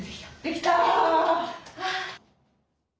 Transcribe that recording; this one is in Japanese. できた。